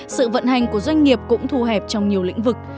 sự vận hành của doanh nghiệp cũng thu hẹp trong nhiều lĩnh vực